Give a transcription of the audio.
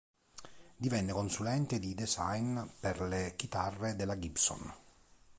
Divenne consulente di "design" per le chitarre della Gibson.